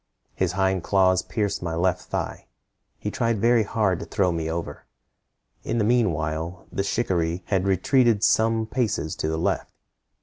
His hind claws pierced my left thigh. He tried very hard to throw me over. In the mean while the shikaree had retreated some paces to the left.